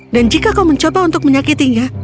jika kau mencoba untuk menyakitinya